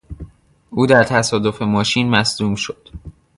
او در تصادف ماشین مصدوم شد.